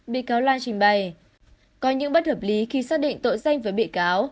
bị cáo lan trình bày có những bất hợp lý khi xác định tội danh với bị cáo